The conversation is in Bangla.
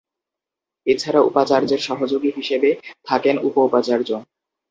এছাড়া উপাচার্যের সহযোগী হিসেবে থাকেন উপ-উপাচার্য।